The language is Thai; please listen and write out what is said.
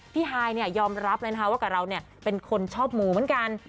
พี่ฮายยอมรับว่ากับเราเป็นคนชอบมูลเหมือนกัน